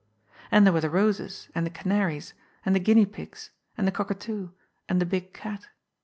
And there were the roses and the canaries, and the guinea pigs, and the cockatoo and the big cat.